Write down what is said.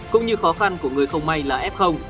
cũng như khó khăn của người không may là f